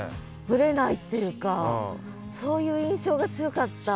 ぶれないっていうかそういう印象が強かった。